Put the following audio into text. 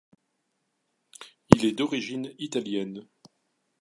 Il est d'origine italienne.